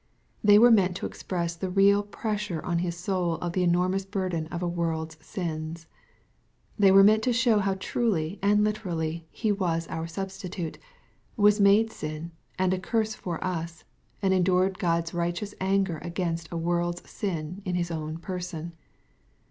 They were meant to express the real pressure on his soul of the enormous burden of a world's sins. They were meant to show how truly and literally He was our substitute, was made sin, and a curse for us, and endured God's righteous anger against a world's sin in His own person.